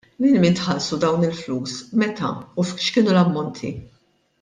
Lil min tħallsu dawn il-flus, meta u x'kienu l-ammonti?